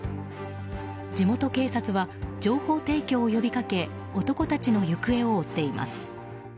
地元警察は情報提供を呼びかけ男たちの行方を追っています。